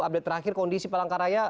update terakhir kondisi palangkaraya